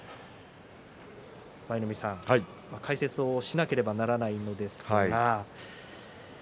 舞の海さん、解説をしなければならないのですが。